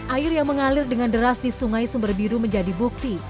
air yang mengalir dengan deras di sungai sumber biru menjadi bukti